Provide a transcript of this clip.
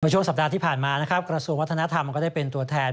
ช่วงสัปดาห์ที่ผ่านมานะครับกระทรวงวัฒนธรรมก็ได้เป็นตัวแทน